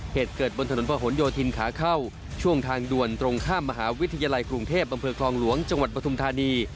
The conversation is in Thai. เหตุเกิดบนถนนพระหลโยธินขาเข้าช่วงทางด่วนตรงข้ามมหาวิทยาลัยกรุงเทพอำเภอคลองหลวงจังหวัดปฐุมธานี